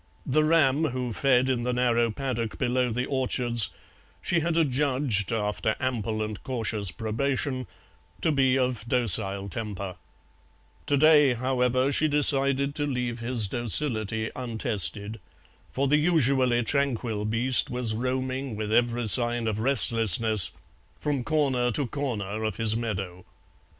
The ram who fed in the narrow paddock below the orchards she had adjudged, after ample and cautious probation, to be of docile temper; to day, however, she decided to leave his docility untested, for the usually tranquil beast was roaming with every sign of restlessness from corner to corner of his meadow.